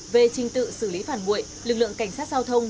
về trình tự xử lý phạt nguội lực lượng cảnh sát giao thông